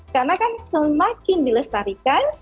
karena kan semakin dilestarikan